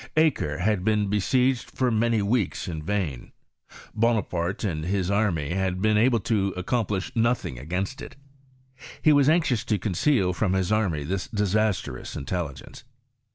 Acre had been besieged for many weeks in vain. Bonaparte and his army had been able to accomplish nothing against it: he was anxious to conceal from his army this disastrous intelligence.